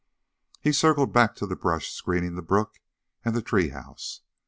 He had circled back to the brush screening the brook and the tree house.